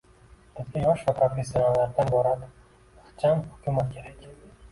Bizga yosh va professionallardan iborat ixcham hukumat kerak